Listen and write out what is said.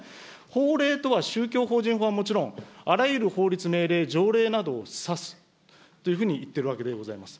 法令とは宗教法人法はもちろん、あらゆる法律、命令・条例などを指すというふうにいっているわけでございます。